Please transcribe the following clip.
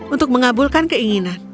untuk mengabulkan keinginan